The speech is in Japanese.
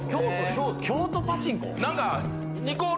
京都パチンコ？